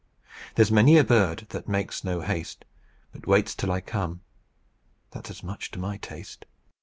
There's many a bird that makes no haste, But waits till I come. That's as much to my taste.